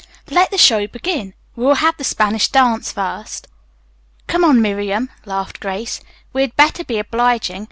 Let the show begin. We will have the Spanish dance first." "Come on, Miriam," laughed Grace. "We had better be obliging.